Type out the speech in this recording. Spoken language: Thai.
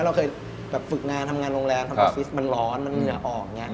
เราเคยฝึกงานทำงานโรงแรมทำฟิศมันร้อนมันเหนื่อออก